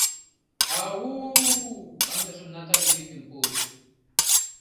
— Ау-у! — ындыжым Натале йӱкым пуыш.